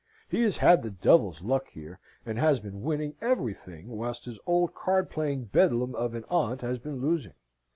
"He has had the devil's luck here, and has been winning everything, whilst his old card playing beldam of an aunt has been losing.